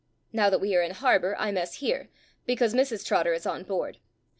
Now that we are in harbour, I mess here, because Mrs Trotter is on board.